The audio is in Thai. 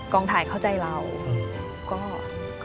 กองไทยเข้าใจเราก็โอเค